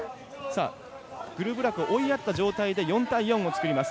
グルブラクを追いやった状態で４対４をつくります。